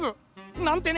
なんてね！